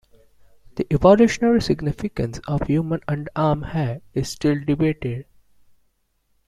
The evolutionary significance of human underarm hair is still debated.